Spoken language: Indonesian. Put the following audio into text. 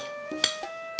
udah neng makan